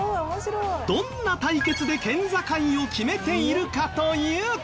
どんな対決で県境を決めているかというと。